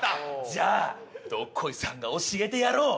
じゃあどっこいさんが教えてやろう。